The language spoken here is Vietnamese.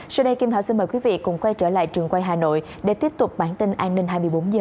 sau đây kim thảo xin mời quý vị cùng quay trở lại trường quay hà nội để tiếp tục bản tin an ninh hai mươi bốn h